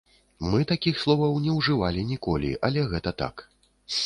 Мы такіх словаў не ўжывалі ніколі, але гэта так.